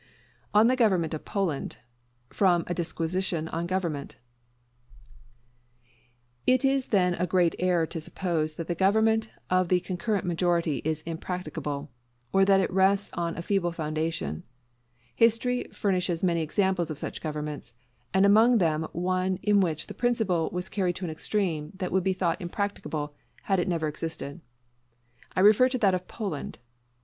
ON THE GOVERNMENT OF POLAND From 'A Disquisition on Government' It is then a great error to suppose that the government of the concurrent majority is impracticable; or that it rests on a feeble foundation. History furnishes many examples of such governments; and among them one in which the principle was carried to an extreme that would be thought impracticable, had it never existed. I refer to that of Poland.